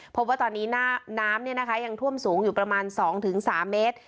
พบว่าตอนนี้น้ำยังท่วมสูงอยู่ประมาณ๒๓เมตร